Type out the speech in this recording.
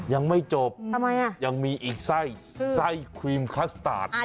ยังไม่จบยังมีอีกไส้ไส้ครีมคัสตาร์ด